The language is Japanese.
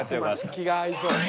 気が合いそう。